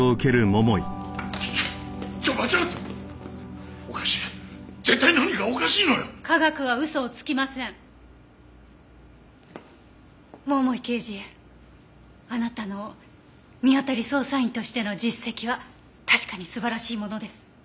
桃井刑事あなたの見当たり捜査員としての実績は確かに素晴らしいものです。